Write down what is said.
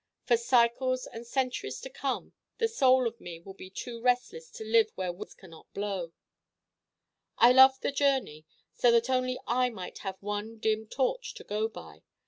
For cycles and centuries to come the Soul of me will be too restless to live where winds can not blow. I love the journey: so that only I might have one dim torch to go by.